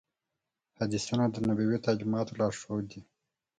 حدیثونه د نبوي تعلیماتو لارښود دي.